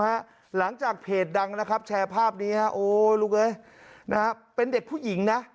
หลังจากเพจดังนะครับแชร์ภาพนี้ฮะโอ้ลูกเอ้ยนะฮะเป็นเด็กผู้หญิงนะ